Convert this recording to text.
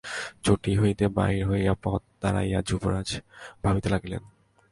চটি হইতে বাহির হইয়া পথে দাঁড়াইয়া যুবরাজ ভাবিতে লাগিলেন।